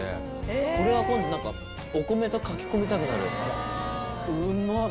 これは今度お米とかき込みたくなる。